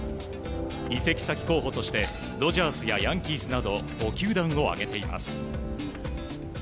移籍先候補としてドジャースやヤンキースなど５球団を挙げています。